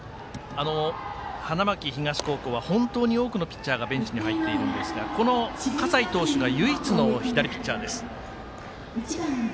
花巻東高校は本当に多くのピッチャーがベンチに入っているんですがこの葛西投手が唯一の左ピッチャーです。